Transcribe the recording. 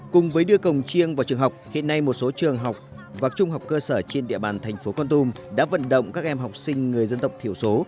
cùng với đưa cồng chiêng vào trường học hiện nay một số trường học và trung học cơ sở trên địa bàn thành phố con tum đã vận động các em học sinh người dân tộc thiểu số